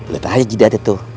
liat aja jidatnya tuh